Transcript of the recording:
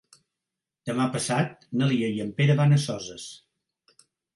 Demà passat na Lia i en Pere van a Soses.